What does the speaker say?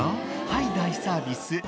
はい、大サービス。